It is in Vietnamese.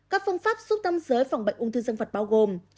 các phương pháp giúp tâm giới phòng bệnh ung thư dân vật bao gồm